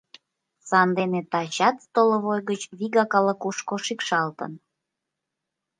Сандене тачат столовой гыч вигак ала-кушко шикшалтын.